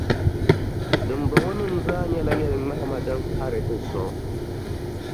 dimbɔŋɔnim’ zaa nyɛla yɛliŋmahima din kpahiri ti zuɣu.